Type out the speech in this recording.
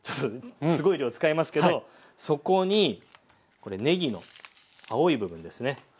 すごい量使いますけどそこにねぎの青い部分ですね。